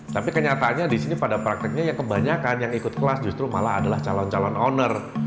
tapi kenyataannya disini pada prakteknya ya kebanyakan yang ikut kelas justru malah adalah calon calon owner